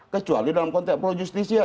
kecuali dalam konteks pro justisia